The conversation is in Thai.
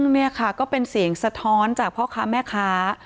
นี่ค่ะก็เป็นเสียงสะท้อนจากพ่อค้าแม่ค้า